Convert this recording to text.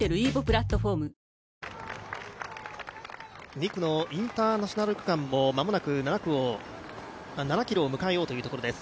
２区のインターナショナル区間もまもなく７ｋｍを迎えようというところです。